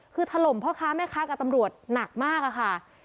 คือถล่มพ่อค้าแม่ค้ากับตำรวจหนักมากอะค่ะ